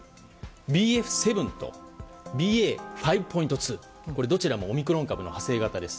ＢＦ．７とＢＡ．５．２。これ、どちらもオミクロン株の派生型です。